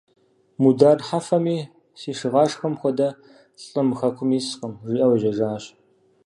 Мудар Хьэфэми: «Си шыгъашхэм хуэдэ лӀы мы хэкум искъым», – жиӀэу ежьэжащ.